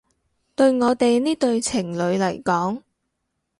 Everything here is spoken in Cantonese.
對我哋呢對情侶嚟講